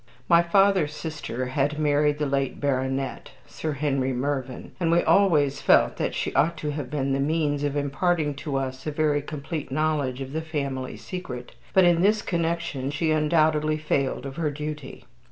My father's sister had married the late Baronet, Sir Henry Mervyn, and we always felt that she ought to have been the means of imparting to us a very complete knowledge of the family secret. But in this connection she undoubtedly failed of her duty.